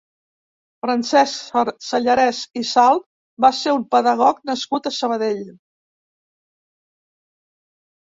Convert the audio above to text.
Francesc Sallarès i Salt va ser un pedagog nascut a Sabadell.